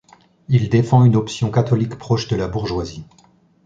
Il défend une option catholique proche de la bourgeoisie.